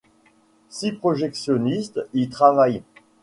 Six projectionnistes y travaillent.